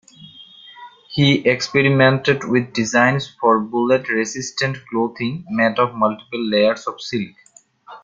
He experimented with designs for bullet-resistant clothing made of multiple layers of silk.